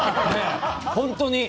本当に。